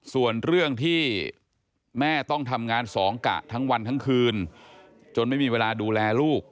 ส่วนเรื่องที่แม่ต้องทำงานสองกะทั้งวันทั้งคืนจนไม่มีเวลาดูแลลูก